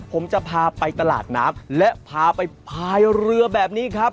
ผมจะพาไปตลาดน้ำและพาไปพายเรือแบบนี้ครับ